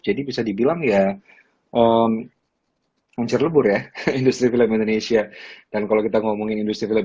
jadi bisa dibilang ya uncir lebur ya industri film indonesia dan kalau kita ngomongin industri film